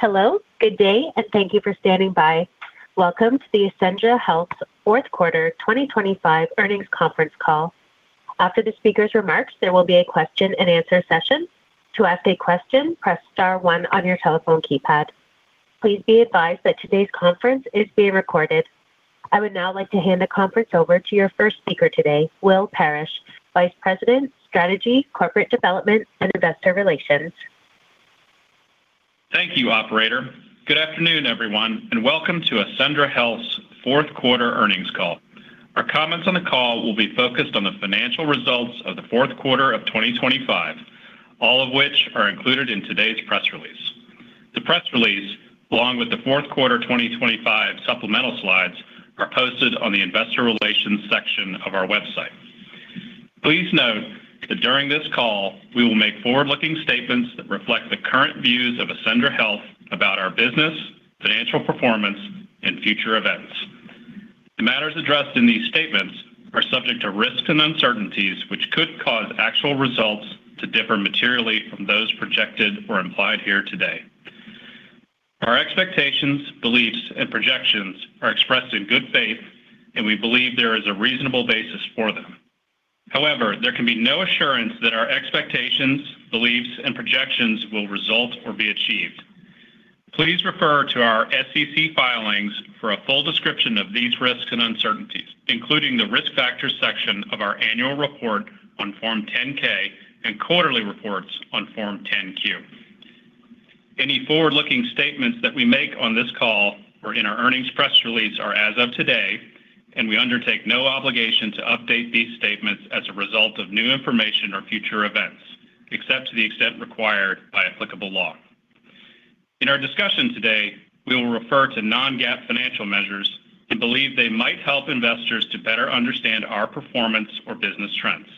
Hello, good day, and thank you for standing by. Welcome to the Accendra Health fourth quarter 2025 earnings conference call. After the speakers' remarks, there will be a question and answer session. To ask a question, press star one on your telephone keypad. Please be advised that today's conference is being recorded. I would now like to hand the conference over to your first speaker today, Will Parrish, Vice President, Strategy, Corporate Development, and Investor Relations. Thank you, operator. Good afternoon, everyone, and welcome to Accendra Health's fourth quarter earnings call. Our comments on the call will be focused on the financial results of the fourth quarter of 2025, all of which are included in today's press release. The press release, along with the fourth quarter 2025 supplemental slides, are posted on the Investor Relations section of our website. Please note that during this call, we will make forward-looking statements that reflect the current views of Accendra Health about our business, financial performance, and future events. The matters addressed in these statements are subject to risks and uncertainties, which could cause actual results to differ materially from those projected or implied here today. Our expectations, beliefs, and projections are expressed in good faith, and we believe there is a reasonable basis for them. However, there can be no assurance that our expectations, beliefs, and projections will result or be achieved. Please refer to our SEC filings for a full description of these risks and uncertainties, including the Risk Factors section of our annual report on Form 10-K and quarterly reports on Form 10-Q. Any forward-looking statements that we make on this call or in our earnings press release are as of today, and we undertake no obligation to update these statements as a result of new information or future events, except to the extent required by applicable law. In our discussion today, we will refer to non-GAAP financial measures and believe they might help investors to better understand our performance or business trends.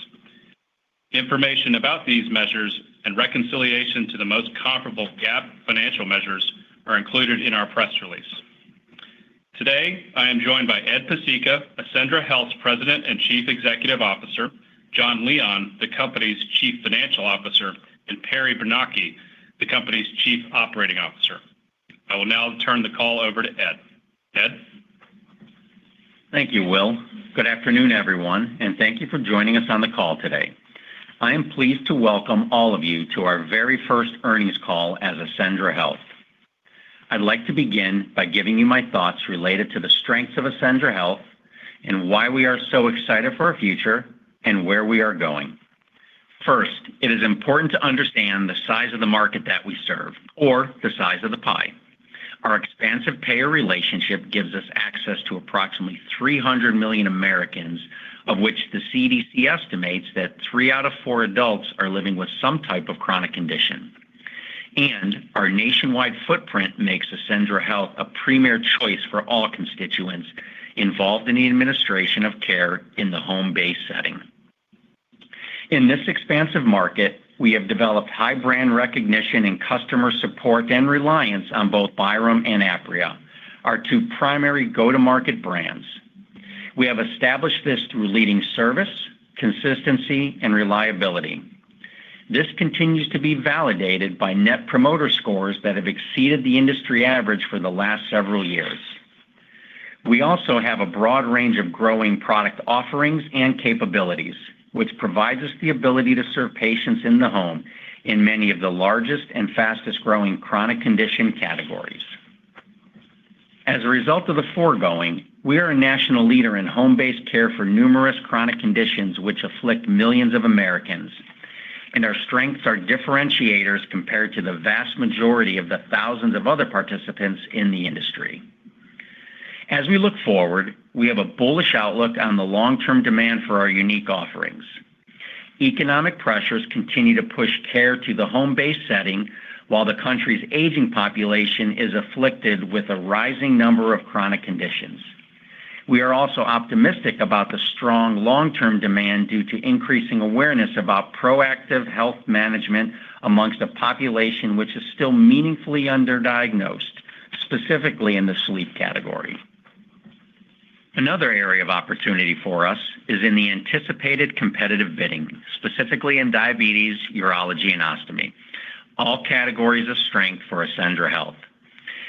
Information about these measures and reconciliation to the most comparable GAAP financial measures are included in our press release. Today, I am joined by Ed Pesicka, Accendra Health's President and Chief Executive Officer; Jonathan Leon, the company's Chief Financial Officer; and Perry Bernocchi, the company's Chief Operating Officer. I will now turn the call over to Ed. Ed? Thank you, Will. Good afternoon, everyone, and thank you for joining us on the call today. I am pleased to welcome all of you to our very first earnings call as Accendra Health. I'd like to begin by giving you my thoughts related to the strengths of Accendra Health and why we are so excited for our future and where we are going. First, it is important to understand the size of the market that we serve or the size of the pie. Our expansive payer relationship gives us access to approximately 300 million Americans, of which the CDC estimates that three out of four adults are living with some type of chronic condition, and our nationwide footprint makes Accendra Health a premier choice for all constituents involved in the administration of care in the home-based setting. In this expansive market, we have developed high brand recognition and customer support and reliance on both Byram and Apria, our two primary go-to-market brands. We have established this through leading service, consistency, and reliability. This continues to be validated by Net Promoter Score that have exceeded the industry average for the last several years. We also have a broad range of growing product offerings and capabilities, which provides us the ability to serve patients in the home in many of the largest and fastest-growing chronic condition categories. As a result of the foregoing, we are a national leader in home-based care for numerous chronic conditions which afflict millions of Americans, and our strengths are differentiators compared to the vast majority of the thousands of other participants in the industry. As we look forward, we have a bullish outlook on the long-term demand for our unique offerings. Economic pressures continue to push care to the home-based setting, while the country's aging population is afflicted with a rising number of chronic conditions. We are also optimistic about the strong long-term demand due to increasing awareness about proactive health management amongst a population which is still meaningfully underdiagnosed, specifically in the sleep category. Another area of opportunity for us is in the anticipated competitive bidding, specifically in diabetes, urology, and ostomy, all categories of strength for Accendra Health.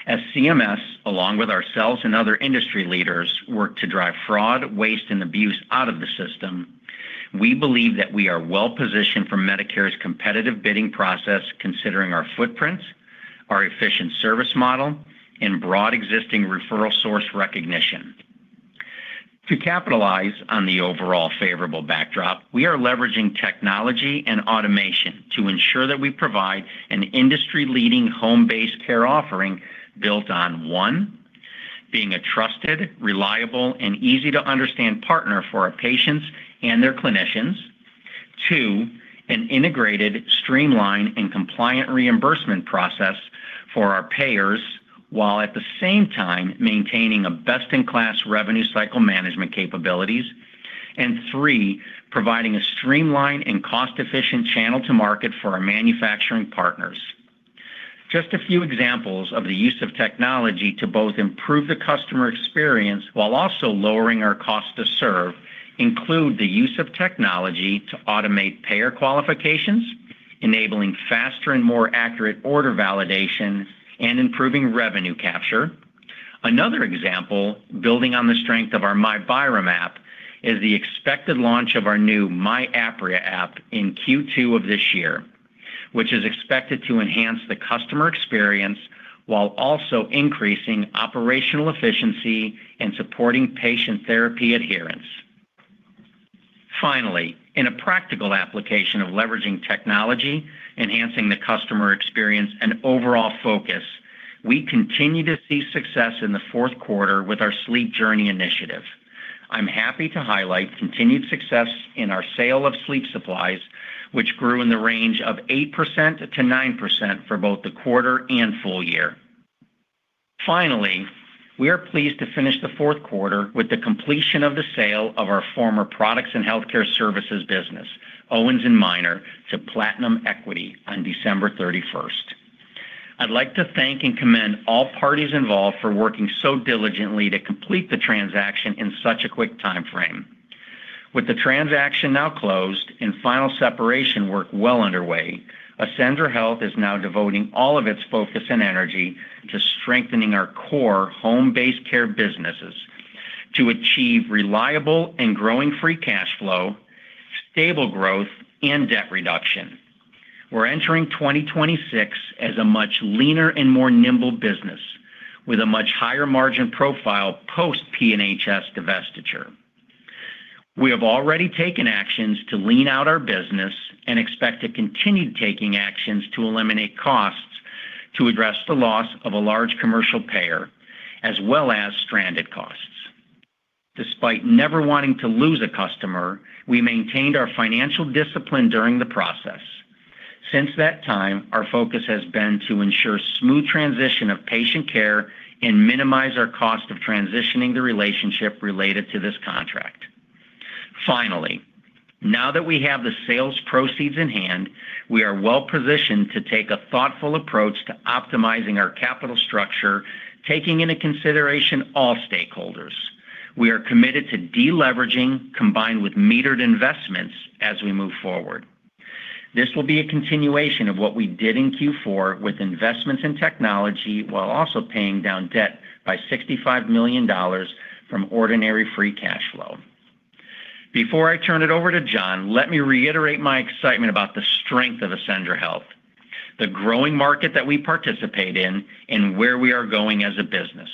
As CMS, along with ourselves and other industry leaders, work to drive fraud, waste, and abuse out of the system, we believe that we are well positioned for Medicare's competitive bidding process, considering our footprint, our efficient service model, and broad existing referral source recognition. To capitalize on the overall favorable backdrop, we are leveraging technology and automation to ensure that we provide an industry-leading home-based care offering built on, one, being a trusted, reliable, and easy-to-understand partner for our patients and their clinicians. Two, an integrated, streamlined, and compliant reimbursement process for our payers, while at the same time maintaining a best-in-class revenue cycle management capabilities. And three, providing a streamlined and cost-efficient channel to market for our manufacturing partners. Just a few examples of the use of technology to both improve the customer experience while also lowering our cost to serve, include the use of technology to automate payer qualifications, enabling faster and more accurate order validation and improving revenue capture. Another example, building on the strength of our myByram app, is the expected launch of our new myApria app in Q2 of this year, which is expected to enhance the customer experience while also increasing operational efficiency and supporting patient therapy adherence. Finally, in a practical application of leveraging technology, enhancing the customer experience and overall focus, we continue to see success in the fourth quarter with our sleep journey initiative. I'm happy to highlight continued success in our sale of sleep supplies, which grew in the range of 8%-9% for both the quarter and full year. Finally, we are pleased to finish the fourth quarter with the completion of the sale of our former Products & Healthcare Services business, Owens & Minor, to Platinum Equity on December 31. I'd like to thank and commend all parties involved for working so diligently to complete the transaction in such a quick timeframe. With the transaction now closed and final separation work well underway, Accendra Health is now devoting all of its focus and energy to strengthening our core home-based care businesses to achieve reliable and growing free cash flow, stable growth, and debt reduction. We're entering 2026 as a much leaner and more nimble business with a much higher margin profile post-P&HS divestiture. We have already taken actions to lean out our business and expect to continue taking actions to eliminate costs to address the loss of a large commercial payer, as well as stranded costs. Despite never wanting to lose a customer, we maintained our financial discipline during the process. Since that time, our focus has been to ensure smooth transition of patient care and minimize our cost of transitioning the relationship related to this contract. Finally, now that we have the sales proceeds in hand, we are well positioned to take a thoughtful approach to optimizing our capital structure, taking into consideration all stakeholders. We are committed to deleveraging, combined with metered investments, as we move forward. This will be a continuation of what we did in Q4 with investments in technology, while also paying down debt by $65 million from ordinary free cash flow. Before I turn it over to John, let me reiterate my excitement about the strength of Accendra Health, the growing market that we participate in, and where we are going as a business.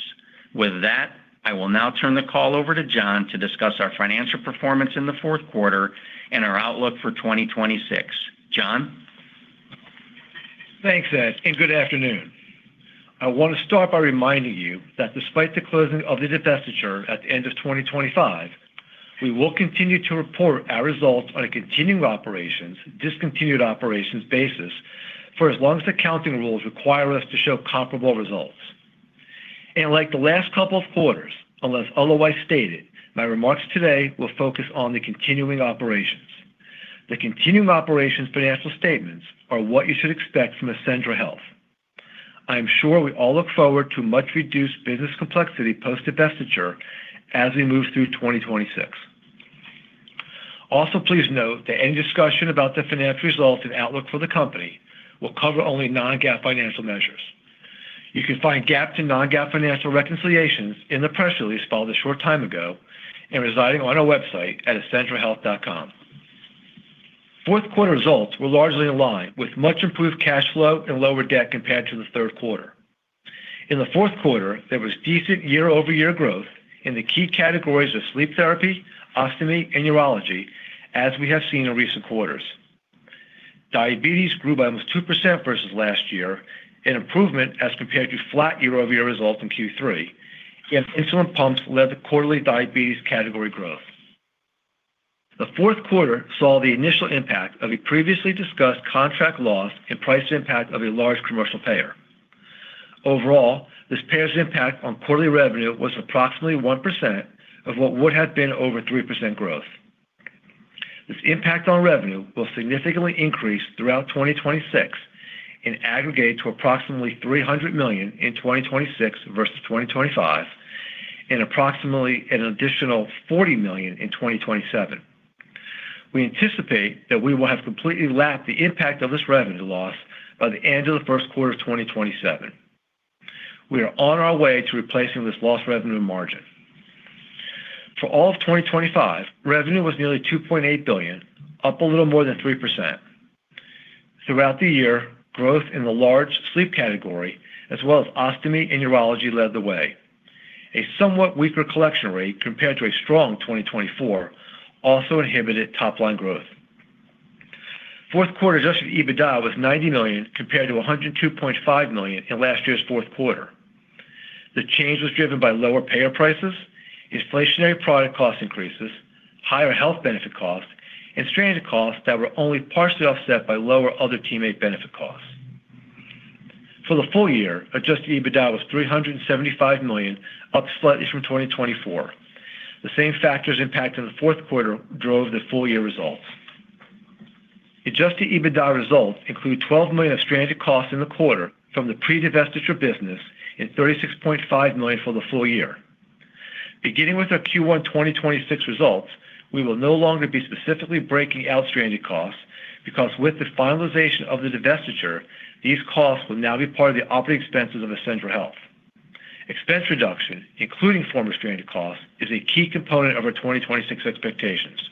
With that, I will now turn the call over to John to discuss our financial performance in the fourth quarter and our outlook for 2026. John? Thanks, Ed, and good afternoon. I want to start by reminding you that despite the closing of the divestiture at the end of 2025, we will continue to report our results on a continuing operations, discontinued operations basis for as long as the accounting rules require us to show comparable results. Like the last couple of quarters, unless otherwise stated, my remarks today will focus on the continuing operations. The continuing operations financial statements are what you should expect from Accendra Health. I am sure we all look forward to much reduced business complexity post-divestiture as we move through 2026. Also, please note that any discussion about the financial results and outlook for the company will cover only non-GAAP financial measures. You can find GAAP to non-GAAP financial reconciliations in the press release filed a short time ago and residing on our website at accendrahealth.com. Fourth quarter results were largely aligned with much improved cash flow and lower debt compared to the third quarter. In the fourth quarter, there was decent year-over-year growth in the key categories of sleep therapy, ostomy, and urology, as we have seen in recent quarters. Diabetes grew by almost 2% versus last year, an improvement as compared to flat year-over-year results in Q3, and insulin pumps led to quarterly diabetes category growth. The fourth quarter saw the initial impact of a previously discussed contract loss and price impact of a large commercial payer. Overall, this payer's impact on quarterly revenue was approximately 1% of what would have been over 3% growth. This impact on revenue will significantly increase throughout 2026 in aggregate to approximately $300 million in 2026 versus 2025, and approximately an additional $40 million in 2027. We anticipate that we will have completely lapped the impact of this revenue loss by the end of the first quarter of 2027. We are on our way to replacing this lost revenue margin. For all of 2025, revenue was nearly $2.8 billion, up a little more than 3%. Throughout the year, growth in the large sleep category, as well as ostomy and urology, led the way. A somewhat weaker collection rate compared to a strong 2024 also inhibited top-line growth. Fourth quarter adjusted EBITDA was $90 million, compared to $102.5 million in last year's fourth quarter. The change was driven by lower payer prices, inflationary product cost increases, higher health benefit costs, and stranded costs that were only partially offset by lower other teammate benefit costs. For the full year, adjusted EBITDA was $375 million, up slightly from 2024. The same factors impacting the fourth quarter drove the full-year results. Adjusted EBITDA results include $12 million of stranded costs in the quarter from the pre-divestiture business and $36.5 million for the full year. Beginning with our Q1 2026 results, we will no longer be specifically breaking out stranded costs, because with the finalization of the divestiture, these costs will now be part of the operating expenses of Accendra Health. Expense reduction, including former stranded costs, is a key component of our 2026 expectations.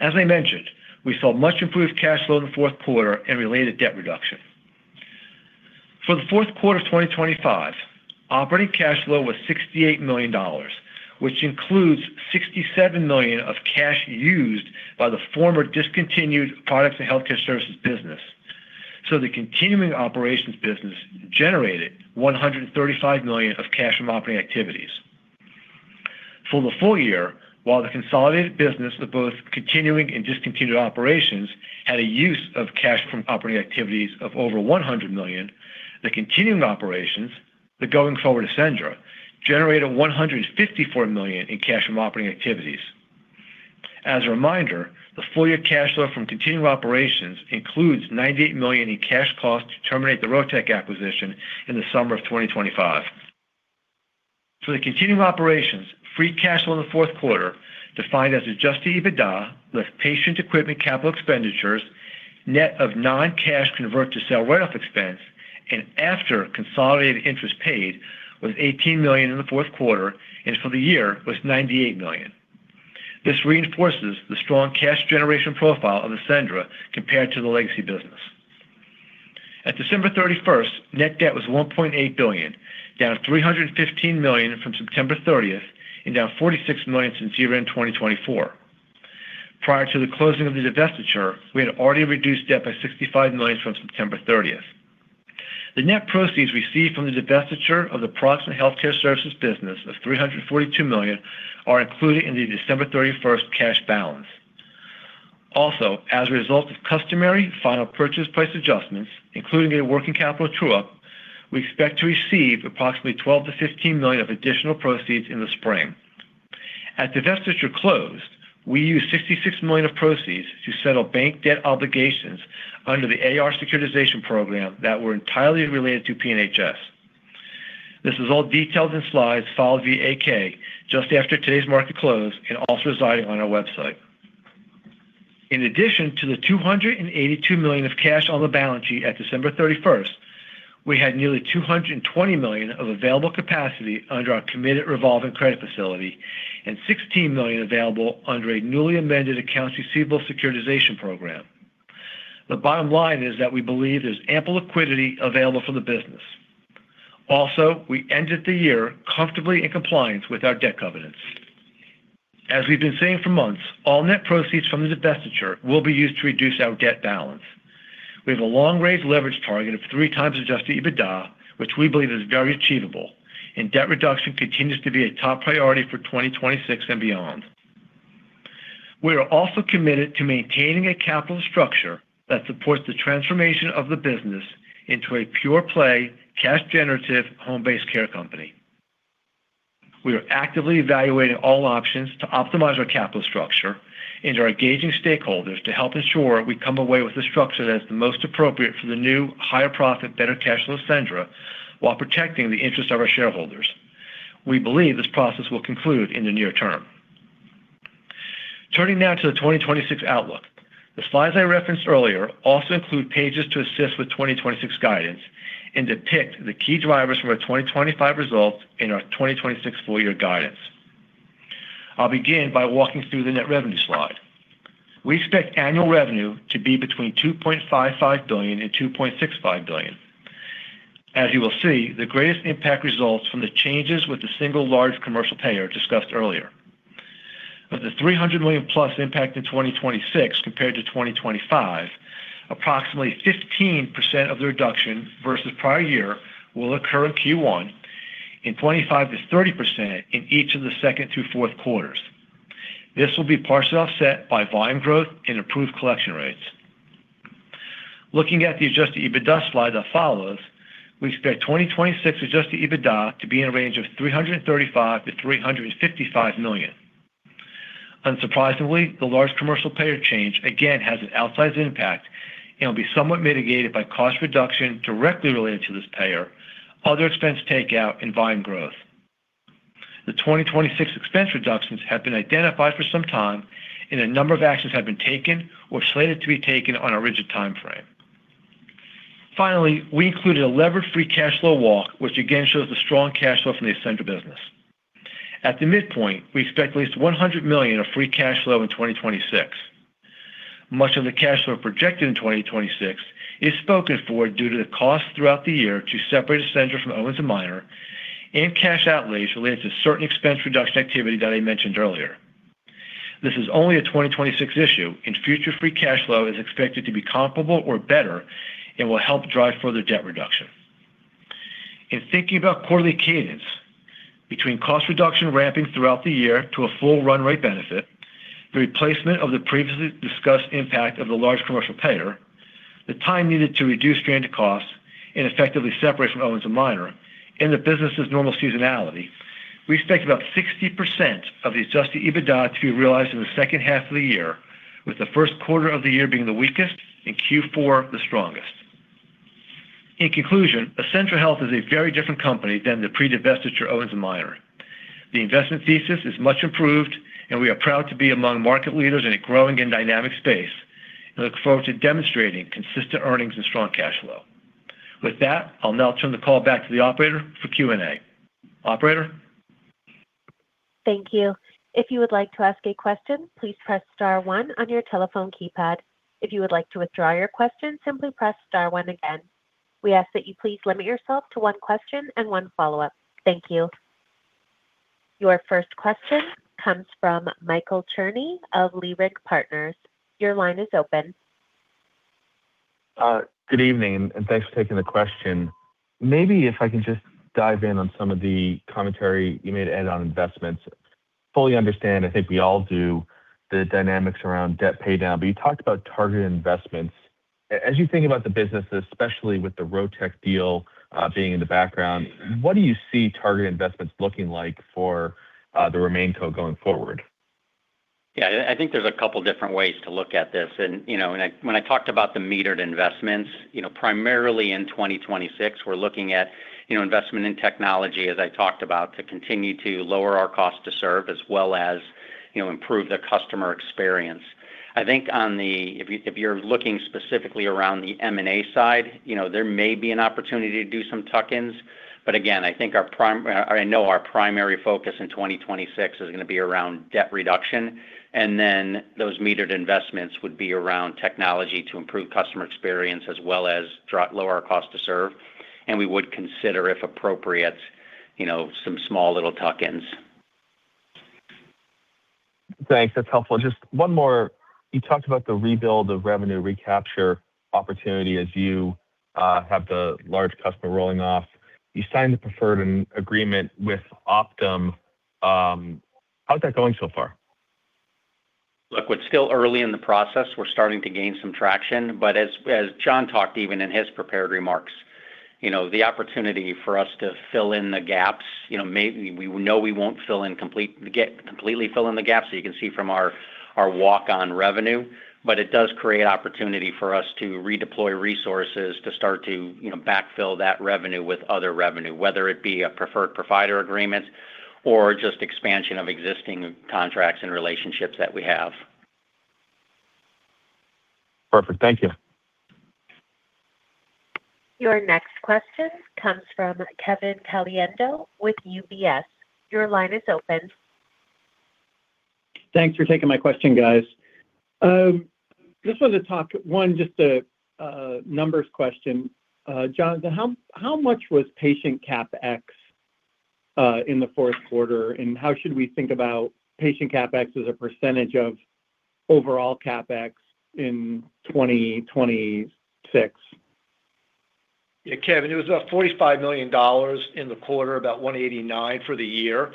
As I mentioned, we saw much improved cash flow in the fourth quarter and related debt reduction. For the fourth quarter of 2025, operating cash flow was $68 million, which includes $67 million of cash used by the former discontinued Products & Healthcare Services business. So the continuing operations business generated $135 million of cash from operating activities. For the full year, while the consolidated business of both continuing and discontinued operations had a use of cash from operating activities of over $100 million, the continuing operations, the going-forward Accendra, generated $154 million in cash from operating activities. As a reminder, the full year cash flow from continuing operations includes $98 million in cash costs to terminate the Rotech acquisition in the summer of 2025. For the continuing operations, free cash flow in the fourth quarter, defined as adjusted EBITDA, with patient equipment, capital expenditures, net of non-cash convert-to-sale write-off expense, and after consolidated interest paid, was $18 million in the fourth quarter, and for the year was $98 million. This reinforces the strong cash generation profile of Accendra compared to the legacy business. At December 31, net debt was $1.8 billion, down $315 million from September 30th, and down $46 million since year-end 2024. Prior to the closing of the divestiture, we had already reduced debt by $65 million from September 30. The net proceeds received from the divestiture of the Products & Healthcare Services business of $342 million are included in the December 31 cash balance. Also, as a result of customary final purchase price adjustments, including a working capital true-up, we expect to receive approximately $12 million-$15 million of additional proceeds in the spring. At divestiture closed, we used $66 million of proceeds to settle bank debt obligations under the AR securitization program that were entirely related to P&HS. This is all detailed in slides filed via Form 8-K, just after today's market close, and also residing on our website. In addition to the $282 million of cash on the balance sheet at December 31, we had nearly $220 million of available capacity under our committed revolving credit facility and $16 million available under a newly amended accounts receivable securitization program. The bottom line is that we believe there's ample liquidity available for the business. Also, we ended the year comfortably in compliance with our debt covenants. As we've been saying for months, all net proceeds from the divestiture will be used to reduce our debt balance. We have a long-range leverage target of 3x adjusted EBITDA, which we believe is very achievable, and debt reduction continues to be a top priority for 2026 and beyond. We are also committed to maintaining a capital structure that supports the transformation of the business into a pure-play, cash-generative, home-based care company. We are actively evaluating all options to optimize our capital structure and are engaging stakeholders to help ensure we come away with a structure that is the most appropriate for the new, higher profit, better cash flow Accendra, while protecting the interest of our shareholders. We believe this process will conclude in the near term. Turning now to the 2026 outlook. The slides I referenced earlier also include pages to assist with 2026 guidance and depict the key drivers from our 2025 results and our 2026 full year guidance. I'll begin by walking through the net revenue slide. We expect annual revenue to be between $2.55 billion and $2.65 billion. As you will see, the greatest impact results from the changes with the single large commercial payer discussed earlier. Of the $300+ million impact in 2026 compared to 2025, approximately 15% of the reduction versus prior year will occur in Q1, and 25%-30% in each of the second to fourth quarters. This will be partially offset by volume growth and improved collection rates. Looking at the adjusted EBITDA slide that follows, we expect 2026 adjusted EBITDA to be in a range of $335 million-$355 million. Unsurprisingly, the large commercial payer change again has an outsized impact and will be somewhat mitigated by cost reduction directly related to this payer, other expense takeout and volume growth. The 2026 expense reductions have been identified for some time, and a number of actions have been taken or slated to be taken on a rigid timeframe. Finally, we included a levered free cash flow walk, which again shows the strong cash flow from the Accendra business. At the midpoint, we expect at least $100 million of free cash flow in 2026. Much of the cash flow projected in 2026 is spoken for due to the costs throughout the year to separate Accendra from Owens & Minor and cash outlays related to certain expense reduction activity that I mentioned earlier. This is only a 2026 issue, and future free cash flow is expected to be comparable or better and will help drive further debt reduction. In thinking about quarterly cadence, between cost reduction ramping throughout the year to a full run rate benefit, the replacement of the previously discussed impact of the large commercial payer, the time needed to reduce stranded costs and effectively separate from Owens & Minor and the business's normal seasonality, we expect about 60% of the adjusted EBITDA to be realized in the second half of the year, with the first quarter of the year being the weakest and Q4 the strongest. In conclusion, Accendra Health is a very different company than the pre-divestiture Owens & Minor. The investment thesis is much improved, and we are proud to be among market leaders in a growing and dynamic space, and look forward to demonstrating consistent earnings and strong cash flow. With that, I'll now turn the call back to the operator for Q&A. Operator? Thank you. If you would like to ask a question, please press star one on your telephone keypad. If you would like to withdraw your question, simply press star one again. We ask that you please limit yourself to one question and one follow-up. Thank you. Your first question comes from Michael Cherny of Leerink Partners. Your line is open. Good evening, and thanks for taking the question. Maybe if I can just dive in on some of the commentary you made, Ed, on investments. Fully understand, I think we all do, the dynamics around debt paydown, but you talked about targeted investments. As you think about the business, especially with the Rotech deal being in the background, what do you see targeted investments looking like for the remain co going forward? Yeah, I, I think there's a couple different ways to look at this. And, you know, when I, when I talked about the metered investments, you know, primarily in 2026, we're looking at, you know, investment in technology, as I talked about, to continue to lower our cost to serve, as well as, you know, improve the customer experience. I think on the M&A side, if you, if you're looking specifically around the M&A side, you know, there may be an opportunity to do some tuck-ins, but again, I think our primary focus in 2026 is gonna be around debt reduction, and then those metered investments would be around technology to improve customer experience as well as lower our cost to serve. And we would consider, if appropriate, you know, some small little tuck-ins. Thanks. That's helpful. Just one more: you talked about the rebuild of revenue recapture opportunity as you have the large customer rolling off. You signed the preferred agreement with Optum. How's that going so far? Look, we're still early in the process. We're starting to gain some traction, but as John talked, even in his prepared remarks, you know, the opportunity for us to fill in the gaps, you know, maybe we won't completely fill in the gaps, you can see from our walk-on revenue, but it does create opportunity for us to redeploy resources to start to, you know, backfill that revenue with other revenue, whether it be a preferred provider agreement or just expansion of existing contracts and relationships that we have. Perfect. Thank you. Your next question comes from Kevin Caliendo with UBS. Your line is open. Thanks for taking my question, guys. Just wanted to talk, one, just a numbers question. John, how much was patient CapEx in the fourth quarter? And how should we think about patient CapEx as a percentage of overall CapEx in 2026? Yeah, Kevin, it was $45 million in the quarter, about $189 million for the year.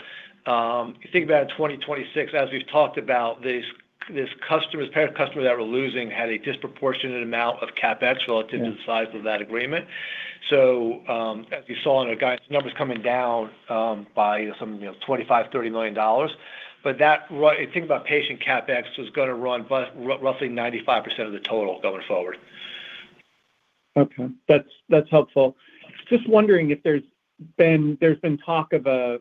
You think about 2026, as we've talked about, these payer customers that we're losing had a disproportionate amount of CapEx relative- Yeah.... to the size of that agreement. So, as you saw in our guidance numbers coming down by some, you know, $25 million-$30 million, but I think about patient CapEx is gonna run roughly 95% of the total going forward. Okay. That's, that's helpful. Just wondering if there's been talk of a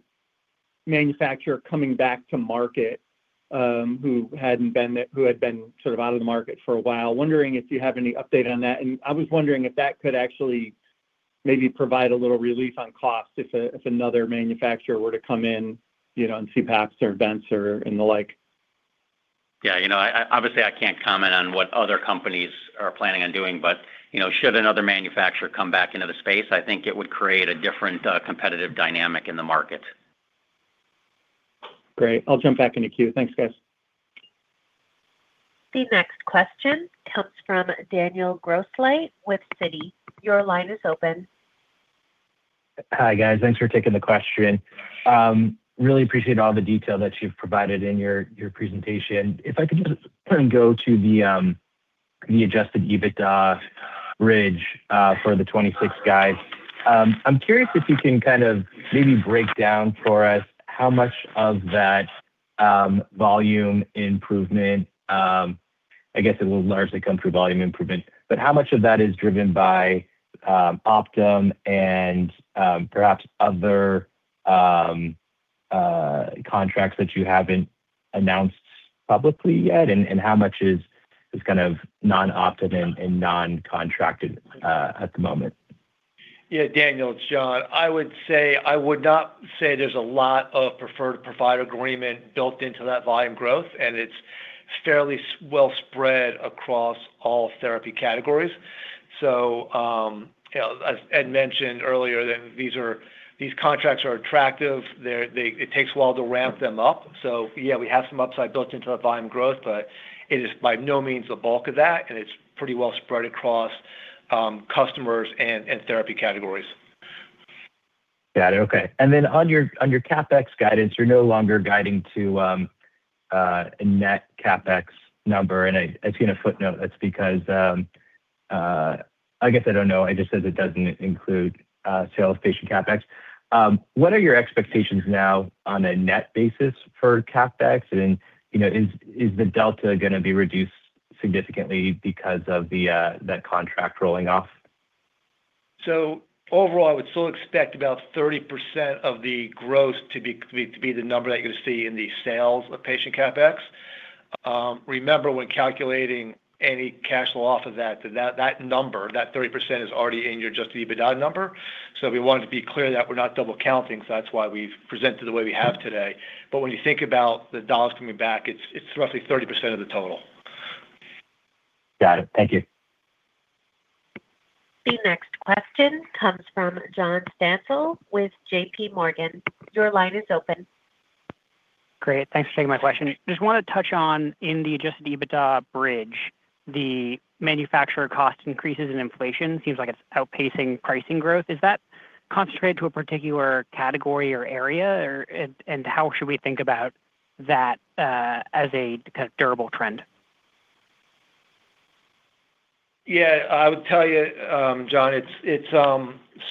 manufacturer coming back to market, who had been sort of out of the market for a while. Wondering if you have any update on that. And I was wondering if that could actually maybe provide a little relief on cost if another manufacturer were to come in, you know, in CPAPs or vents or the like? Yeah, you know, I obviously can't comment on what other companies are planning on doing, but, you know, should another manufacturer come back into the space, I think it would create a different competitive dynamic in the market. Great. I'll jump back in the queue. Thanks, guys. The next question comes from Daniel Grosslight with Citi. Your line is open. Hi, guys. Thanks for taking the question. Really appreciate all the detail that you've provided in your presentation. If I could just go to the adjusted EBITDA bridge for the 2026 guide. I'm curious if you can kind of maybe break down for us how much of that volume improvement, I guess it will largely come through volume improvement, but how much of that is driven by Optum and perhaps other contracts that you haven't announced publicly yet? And how much is kind of non-Optum and non-contracted at the moment? Yeah, Daniel, it's John. I would say, I would not say there's a lot of preferred provider agreement built into that volume growth, and it's fairly well-spread across all therapy categories. So, you know, as Ed mentioned earlier, that these contracts are attractive. They're, it takes a while to ramp them up. So yeah, we have some upside built into the volume growth, but it is by no means the bulk of that, and it's pretty well spread across customers and therapy categories. Got it. Okay, and then on your, on your CapEx guidance, you're no longer guiding to a net CapEx number, and I see in a footnote that's because I guess I don't know, it just says it doesn't include sales patient CapEx. What are your expectations now on a net basis for CapEx? And you know, is the delta gonna be reduced significantly because of that contract rolling off? So overall, I would still expect about 30% of the growth to be the number that you're gonna see in the sales of patient CapEx. Remember, when calculating any cash flow off of that, that number, that 30% is already in your adjusted EBITDA number. So we wanted to be clear that we're not double counting, so that's why we've presented the way we have today. But when you think about the dollars coming back, it's roughly 30% of the total. Got it. Thank you. The next question comes from John Stansel with JPMorgan. Your line is open. Great. Thanks for taking my question. Just wanna touch on in the adjusted EBITDA bridge, the manufacturer cost increases in inflation seems like it's outpacing pricing growth. Is that concentrated to a particular category or area, or, and how should we think about that as a kind of durable trend? Yeah, I would tell you, John, it's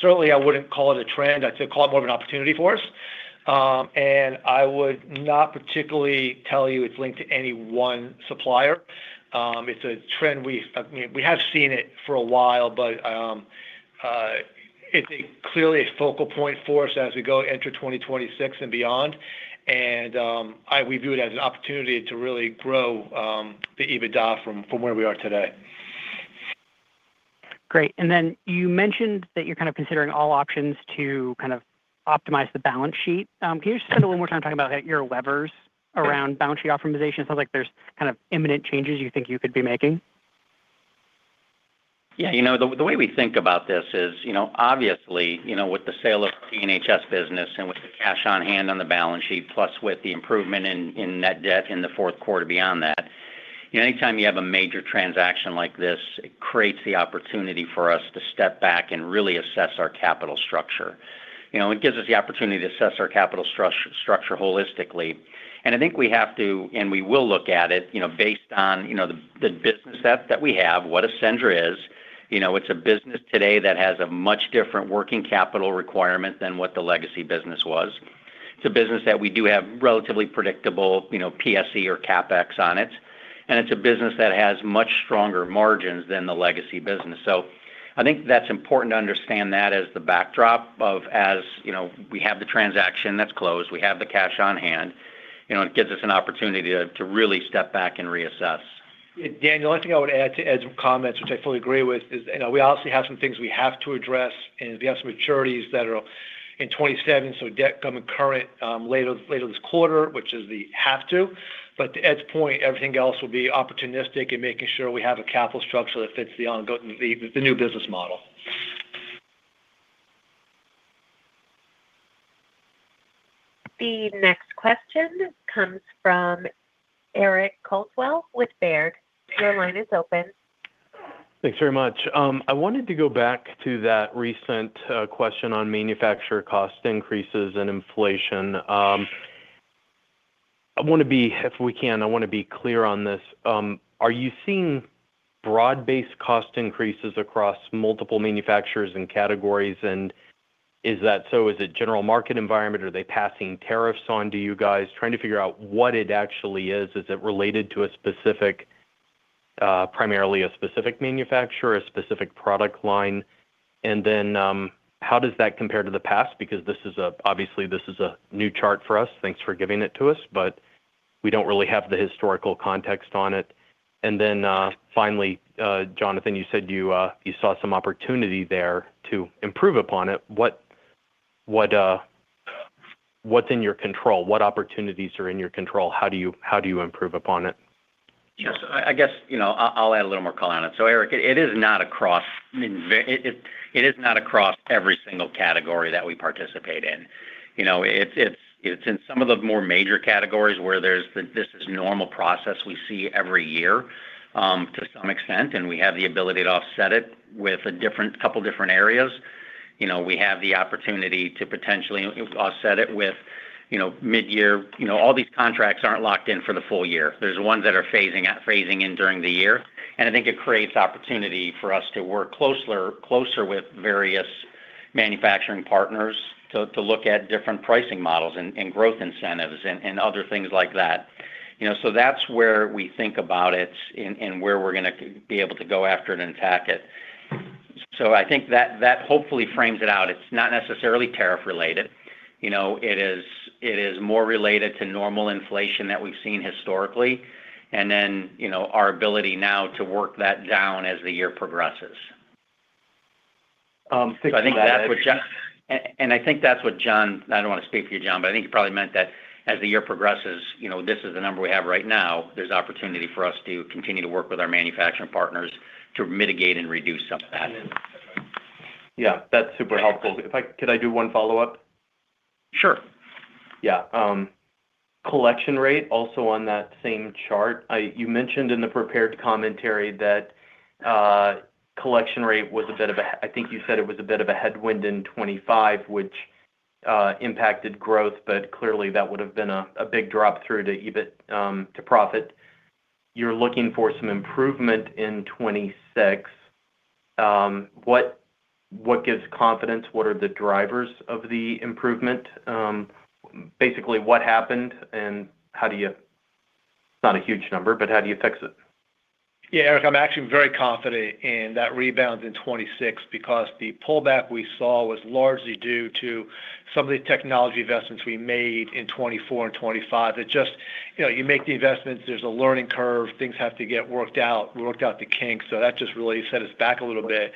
certainly I wouldn't call it a trend. I'd call it more of an opportunity for us. And I would not particularly tell you it's linked to any one supplier. It's a trend we, I mean, we have seen it for a while, but it's clearly a focal point for us as we go enter 2026 and beyond. And we view it as an opportunity to really grow the EBITDA from where we are today. Great. Then you mentioned that you're kind of considering all options to kind of optimize the balance sheet. Can you just spend a little more time talking about your levers around balance sheet optimization? It sounds like there's kind of imminent changes you think you could be making. Yeah, you know, the way we think about this is, you know, obviously, you know, with the sale of the P&HS business and with the cash on hand on the balance sheet, plus with the improvement in net debt in the fourth quarter beyond that, anytime you have a major transaction like this, it creates the opportunity for us to step back and really assess our capital structure. You know, it gives us the opportunity to assess our capital structure holistically. And I think we have to, and we will look at it, you know, based on, you know, the business set that we have, what Accendra is. You know, it's a business today that has a much different working capital requirement than what the legacy business was. It's a business that we do have relatively predictable, you know, PSE or CapEx on it, and it's a business that has much stronger margins than the legacy business. So I think that's important to understand that as the backdrop of, as you know, we have the transaction that's closed, we have the cash on hand, you know, it gives us an opportunity to really step back and reassess. Daniel, I think I would add to Ed's comments, which I fully agree with, is, you know, we obviously have some things we have to address, and we have some maturities that are in 2027, so debt coming current, later this quarter, which is we have to. But to Ed's point, everything else will be opportunistic in making sure we have a capital structure that fits the ongoing, the new business model. The next question comes from Eric Coldwell with Baird. Your line is open. Thanks very much. I wanted to go back to that recent question on manufacturer cost increases and inflation. I wanna be, if we can, I wanna be clear on this. Are you seeing broad-based cost increases across multiple manufacturers and categories? And is that so, is it general market environment? Are they passing tariffs on to you guys? Trying to figure out what it actually is. Is it related to a specific, primarily a specific manufacturer, a specific product line? And then, how does that compare to the past? Because this is a, obviously, this is a new chart for us. Thanks for giving it to us, but we don't really have the historical context on it. And then, finally, Jonathan, you said you, you saw some opportunity there to improve upon it. What, what, what's in your control? What opportunities are in your control? How do you improve upon it? Yes. I guess, you know, I'll add a little more color on it. So, Eric, it is not across every single category that we participate in. You know, it's in some of the more major categories where there's the, "This is normal process we see every year," to some extent, and we have the ability to offset it with a couple different areas. You know, we have the opportunity to potentially offset it with, you know, mid-year. You know, all these contracts aren't locked in for the full year. There's ones that are phasing out, phasing in during the year, and I think it creates opportunity for us to work closer with various manufacturing partners to look at different pricing models and growth incentives and other things like that. You know, so that's where we think about it and where we're gonna be able to go after it and attack it. So I think that hopefully frames it out. It's not necessarily tariff related. You know, it is more related to normal inflation that we've seen historically, and then, you know, our ability now to work that down as the year progresses. I think that- I think that's what John... I don't wanna speak for you, John, but I think you probably meant that as the year progresses, you know, this is the number we have right now. There's opportunity for us to continue to work with our manufacturing partners to mitigate and reduce some of that. Yeah, that's super helpful. Could I do one follow-up? Sure. Yeah, collection rate also on that same chart. I-- You mentioned in the prepared commentary that collection rate was a bit of a, I think you said it was a bit of a headwind in 2025, which impacted growth, but clearly that would have been a, a big drop through to EBIT, to profit. You're looking for some improvement in 2026. What gives confidence? What are the drivers of the improvement? Basically, what happened, and how do you... It's not a huge number, but how do you fix it? Yeah, Eric, I'm actually very confident in that rebound in 2026 because the pullback we saw was largely due to some of the technology investments we made in 2024 and 2025. It just, you know, you make the investments, there's a learning curve, things have to get worked out. We worked out the kinks, so that just really set us back a little bit.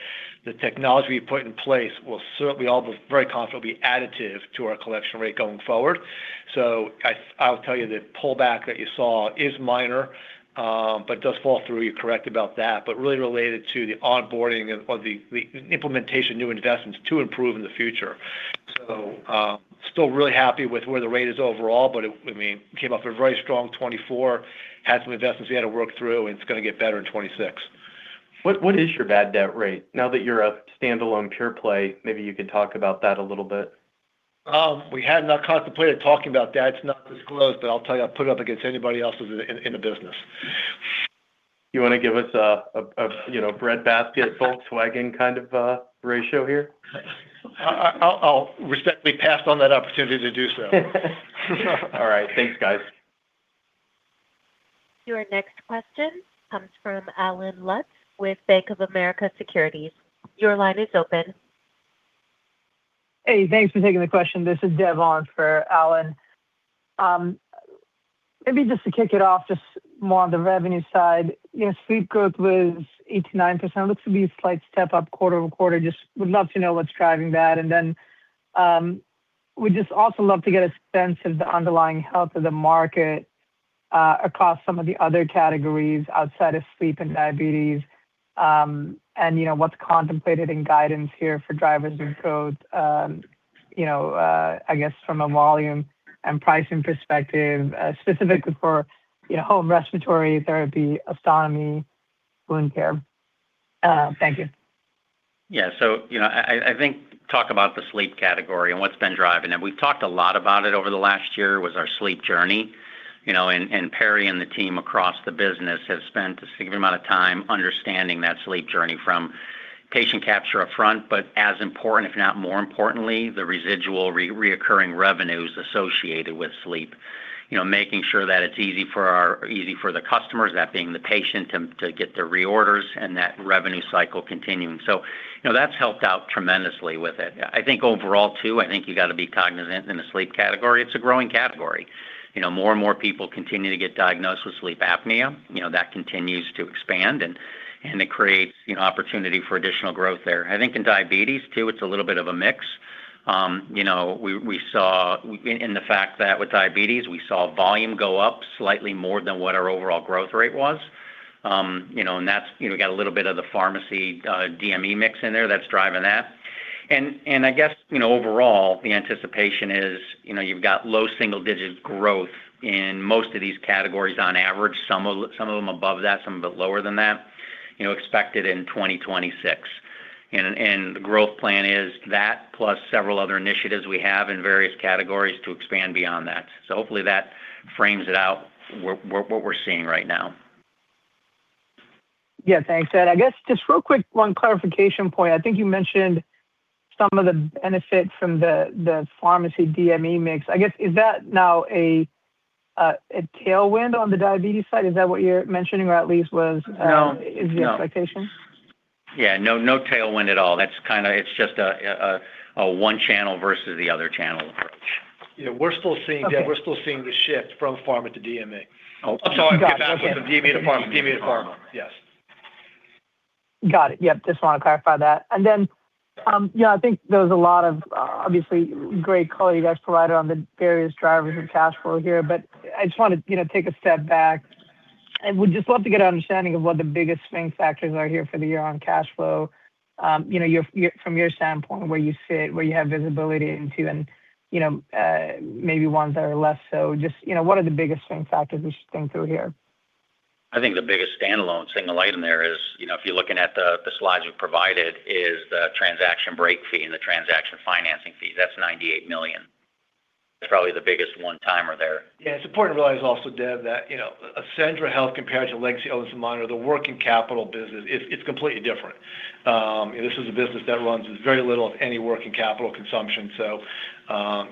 The technology we put in place will certainly, very confident, be additive to our collection rate going forward. So I'll tell you, the pullback that you saw is minor, but does fall through. You're correct about that, but really related to the onboarding of the implementation of new investments to improve in the future. So, still really happy with where the rate is overall, but it, I mean, came off a very strong 2024, had some investments we had to work through, and it's gonna get better in 2026. What, what is your bad debt rate? Now that you're a standalone pure play, maybe you could talk about that a little bit. We had not contemplated talking about that. It's not disclosed, but I'll tell you, I'll put it up against anybody else's in the business. You wanna give us a, a, you know, breadbasket, Volkswagen kind of ratio here? I'll respectfully pass on that opportunity to do so. All right. Thanks, guys. Your next question comes from Alan Lutz with Bank of America Securities. Your line is open. Hey, thanks for taking the question. This is Devon for Alan. Maybe just to kick it off, just more on the revenue side. You know, sleep group was 89%. Looks to be a slight step up quarter-over-quarter. Just would love to know what's driving that. And then, we'd just also love to get a sense of the underlying health of the market across some of the other categories outside of sleep and diabetes. And, you know, what's contemplated in guidance here for drivers and codes, you know, I guess from a volume and pricing perspective, specifically for, you know, home respiratory therapy, ostomy, wound care. Thank you. Yeah, so, you know, I think talk about the sleep category and what's been driving it. We've talked a lot about it over the last year, was our sleep journey. You know, and, and Perry and the team across the business have spent a significant amount of time understanding that sleep journey from patient capture up front, but as important, if not more importantly, the residual reoccurring revenues associated with sleep. You know, making sure that it's easy for our easy for the customers, that being the patient, to get their reorders and that revenue cycle continuing. So, you know, that's helped out tremendously with it. I think overall, too, I think you've got to be cognizant in the sleep category. It's a growing category. You know, more and more people continue to get diagnosed with sleep apnea. You know, that continues to expand, and, and it creates, you know, opportunity for additional growth there. I think in diabetes, too, it's a little bit of a mix. You know, we, we saw in, in the fact that with diabetes, we saw volume go up slightly more than what our overall growth rate was. You know, and that's, you know, we got a little bit of the pharmacy, DME mix in there that's driving that. And, and I guess, you know, overall, the anticipation is, you know, you've got low single digit growth in most of these categories on average, some of, some of them above that, some of them lower than that, you know, expected in 2026. And, and the growth plan is that plus several other initiatives we have in various categories to expand beyond that. So hopefully that frames it out, what we're seeing right now. Yeah. Thanks, Ed. I guess just real quick, one clarification point. I think you mentioned some of the benefits from the pharmacy DME mix. I guess, is that now a tailwind on the diabetes side? Is that what you're mentioning, or at least was- No.... is the expectation? Yeah, no, no tailwind at all. That's kinda... It's just a one channel versus the other channel approach. You know, we're still seeing- Okay.... we're still seeing the shift from pharma to DME. Oh. DME to pharma. Sorry, DME to pharma. Yes. Got it. Yep, just want to clarify that. And then, yeah, I think there was a lot of, obviously, great quality that's provided on the various drivers of cash flow here, but I just want to, you know, take a step back and would just love to get an understanding of what the biggest swing factors are here for the year on cash flow. You know, your—from your standpoint, where you sit, where you have visibility into and, you know, maybe ones that are less so. Just, you know, what are the biggest swing factors we should think through here? I think the biggest standalone single item there is, you know, if you're looking at the slides we've provided, is the transaction break fee and the transaction financing fee. That's $98 million. It's probably the biggest one-timer there. Yeah, it's important to realize also, Dev, that, you know, Accendra Health compared to legacy Owens & Minor, the working capital business, it's, it's completely different. This is a business that runs with very little, if any, working capital consumption. So,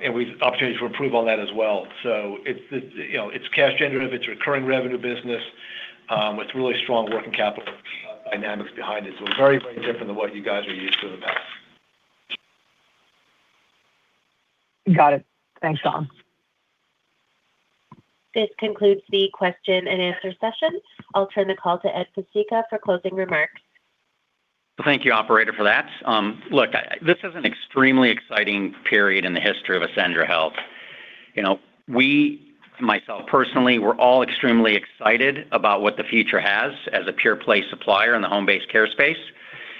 and we've opportunities for approval on that as well. So it's, you know, it's cash generative, it's recurring revenue business, with really strong working capital dynamics behind it. So very, very different than what you guys are used to in the past. Got it. Thanks, Jonathan. This concludes the question and answer session. I'll turn the call to Ed Pesicka for closing remarks. Thank you, operator, for that. Look, this is an extremely exciting period in the history of Accendra Health. You know, we, myself, personally, we're all extremely excited about what the future has as a pure play supplier in the home-based care space,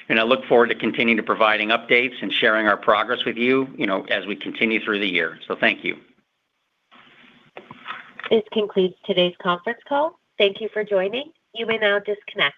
and I look forward to continuing to providing updates and sharing our progress with you, you know, as we continue through the year. So thank you. This concludes today's conference call. Thank you for joining. You may now disconnect.